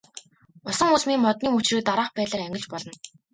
Усан үзмийн модны мөчрийг дараах байдлаар ангилж болно.